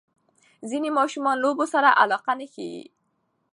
ځینې ماشومان لوبو سره علاقه نه ښیي.